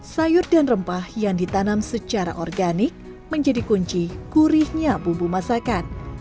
sayur dan rempah yang ditanam secara organik menjadi kunci gurihnya bumbu masakan